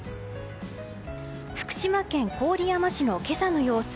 福島県郡山市の今朝の様子。